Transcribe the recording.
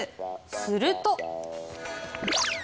すると。